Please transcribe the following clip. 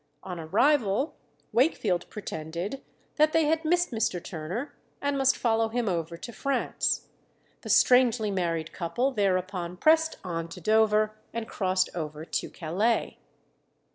On arrival, Wakefield pretended that they had missed Mr. Turner, and must follow him over to France. The strangely married couple thereupon pressed on to Dover, and crossed over to Calais.